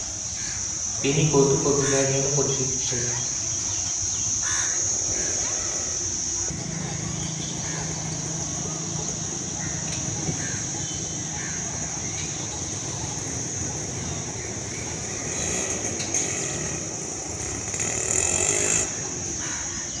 তিনি মৃত্যু বরণ করেছেন।